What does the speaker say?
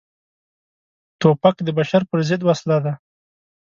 توپک د بشر پر ضد وسله ده.